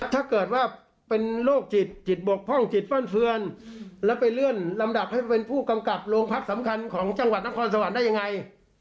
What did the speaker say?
ถ้าเกิดว่าเป็นโรคจิตจิตบกพร่องจิตฟั่นเฟือนแล้วไปเลื่อนลำดับให้เป็นผู้กำกับโรงพักสำคัญของจังหวัดนครสวรรค์ได้ยังไง